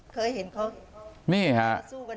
เคยเห็นเขา